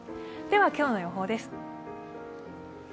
では今日の予報です。